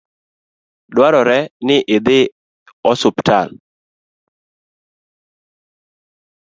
Dwarore ni idhi osiptal